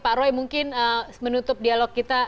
pak roy mungkin menutup dialog kita